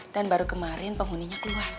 dan baru kemarin penghuninya keluar